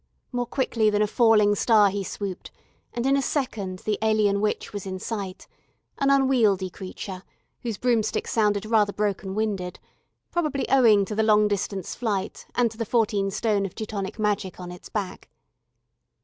More quickly than a falling star he swooped, and in a second the alien witch was in sight, an unwieldy figure whose broomstick sounded rather broken winded, probably owing to the long distance flight and to the fourteen stone of Teutonic magic on its back.